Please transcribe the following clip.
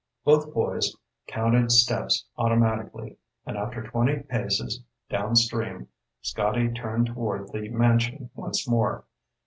Both boys counted steps automatically, and after twenty paces downstream, Scotty turned toward the mansion once more.